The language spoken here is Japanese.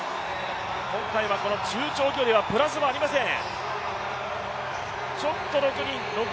今回は中長距離はプラスもありません。